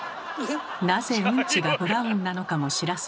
なぜうんちがブラウンなのかも知らずに。